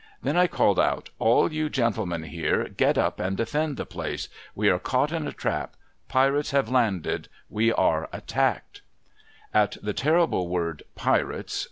Then I called out, ' All you gentlemen CAUGHT IN A TRAP i6i here, get up and defend the place ! We are caught in a trap. Pirates have landed. We are attacked !' At the terrible word ' Pirates